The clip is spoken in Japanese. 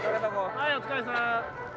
はいお疲れさん。